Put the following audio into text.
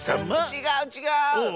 ちがうちがう！